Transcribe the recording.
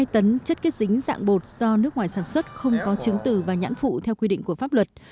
hai mươi tấn chất kết dính dạng bột do nước ngoài sản xuất không có chứng tử và nhãn phụ theo quy định của pháp luật